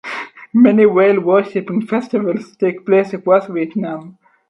Many whale worshiping festivals take place across Vietnam.